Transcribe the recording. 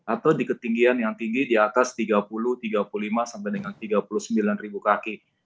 atau di ketinggian yang tinggi di atas tiga puluh tiga puluh lima sampai dengan tiga puluh sembilan kaki